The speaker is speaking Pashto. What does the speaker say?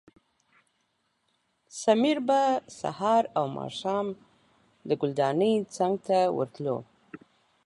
سمیر به سهار او ماښام د ګلدانۍ څنګ ته ورتلو.